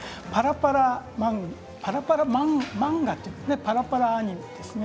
パラパラ漫画というかパラパラ本です。